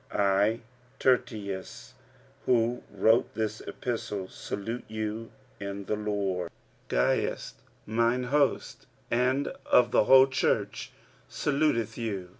45:016:022 I Tertius, who wrote this epistle, salute you in the Lord. 45:016:023 Gaius mine host, and of the whole church, saluteth you.